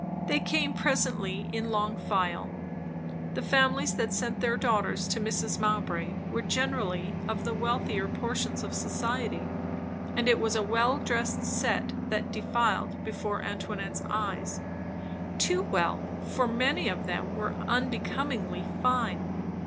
They came presently in long file. The families that sent their daughters to Mrs. Mowbray's were generally of the wealthier portions of society; and it was a well dressed set that defiled before Antoinette's eyes; too well, for many of them were unbecomingly fine.